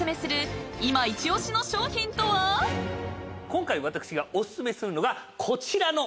今回私がお薦めするのがこちらの。